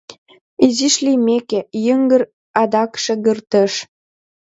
Изиш лиймеке, йыҥгыр адак шергылтеш.